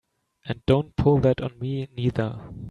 And don't pull that on me neither!